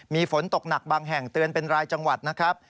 มีฝนตกหนักบางแห่งเตือนเป็นรายจังหวัดนะครับ